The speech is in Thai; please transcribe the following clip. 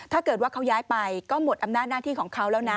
ถ้าเกิดว่าเขาย้ายไปก็หมดอำนาจหน้าที่ของเขาแล้วนะ